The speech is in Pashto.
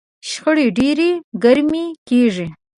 شخړه ډېره ګرمه کېږي.